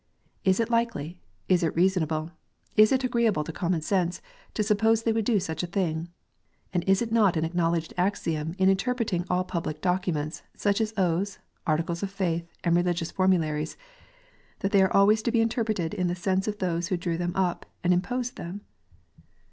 Is it likely, is it reasonable, is it agreeable to common sense, to suppose they would do such a thing 1 ? And is it not an acknowledged axiom J Jin interpreting all public documents, such as oaths, articles of I faith, and religious formularies, that they are always to bel (interpreted in the sense of those who drew them up and im J I posed them *?